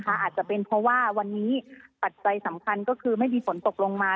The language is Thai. อาจจะเป็นเพราะว่าวันนี้ปัจจัยสำคัญก็คือไม่มีฝนตกลงมา